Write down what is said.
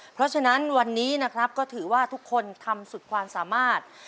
เพราะฉะนั้นวันนี้นะครับก็ถือว่าทุกคนทำสุดความสามารถ